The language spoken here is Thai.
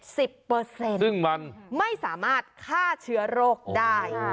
ซึ่งมันไม่สามารถฆ่าเชื้อโรคได้